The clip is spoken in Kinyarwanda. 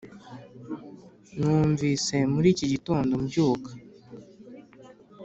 numvise, muri iki gitondo, mbyuka,